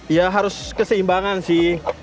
ya harus keseimbangan sih